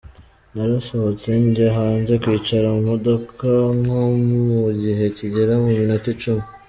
Narasohotse njya hanze kwicara mu modoka nko mu gihe kigera ku minota icumi.